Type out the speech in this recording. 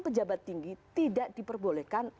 pejabat tinggi tidak diperbolehkan